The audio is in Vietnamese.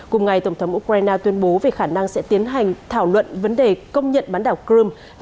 cùng ngày tổng thống ukraine tuyên bố về khả năng sẽ tiến hành thảo luận vấn đề công nhận bán đảo crimea